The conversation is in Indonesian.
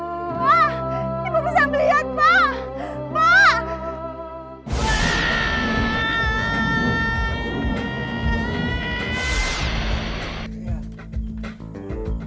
bapak pak ibu bisa melihat pak pak